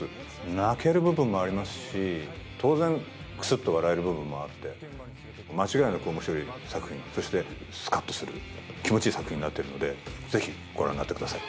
泣ける部分もありますし、当然、くすっと笑える部分もあって間違いなく面白い作品、そしてスカッとする気持ちいい作品になっているのでぜひご覧になってください。